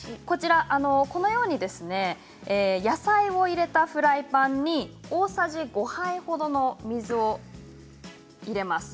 このように野菜を入れたフライパンに大さじ５杯ほどの水を入れます。